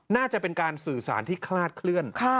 น่าจะเป็นการสื่อสารที่คลาดเคลื่อน